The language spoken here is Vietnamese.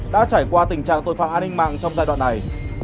đã trải qua tình trạng tội phạm an ninh mạng trong giai đoạn này